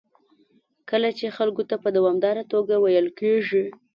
کله چې خلکو ته په دوامداره توګه ویل کېږي